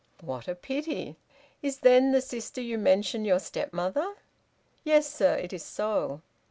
"What a pity! Is, then, the sister you mentioned your stepmother?" "Yes, sir, it is so."